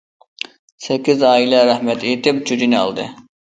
سەككىز ئائىلە رەھمەت ئېيتىپ چۈجىنى ئالدى.